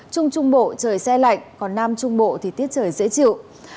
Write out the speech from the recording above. trung trung bộ trời xe lạnh còn nam trung bộ thì tiết trời dễ chịu